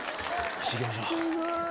よしいきましょう。